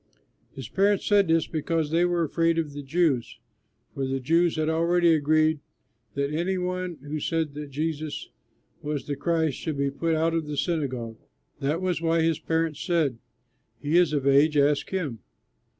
His parents said this because they were afraid of the Jews; for the Jews had already agreed that any one who said that Jesus was the Christ should be put out of the synagogue. That was why his parents said, "He is of age, ask him."